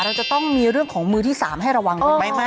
เราจะต้องมีเรื่องของมือที่๓ให้ระวังหรือไม่